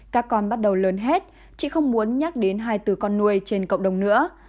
các con bắt đầu lớn hết chị không muốn nhắc đến hai từ con nuôi trên cộng đồng nữa